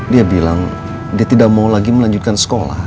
dia bilang dia tidak mau lagi melanjutkan sekolah